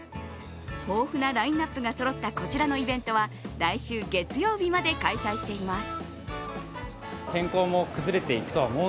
豊富なラインナップがそろったこちらのイベントは来週月曜日まで開催しています。